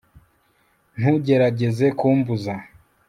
ntugerageze kumbuza